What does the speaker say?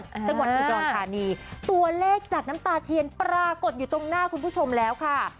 จังหวัดอุดรธานีตัวเลขจากน้ำตาเทียนปรากฏอยู่ตรงหน้าคุณผู้ชมแล้วค่ะ